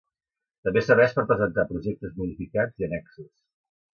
També serveix per presentar projectes modificats i annexos.